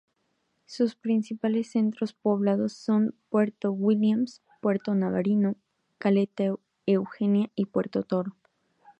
Sus principales centros poblados son Puerto Williams, Puerto Navarino, Caleta Eugenia y Puerto Toro.